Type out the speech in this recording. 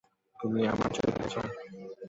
তুমি আমার চুড়ি দেখেছ?